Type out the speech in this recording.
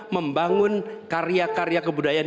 membangun karya karya kebudayaan